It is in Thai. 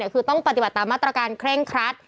คือต้องปฏิบัติตามมาตรการเคร่งครัด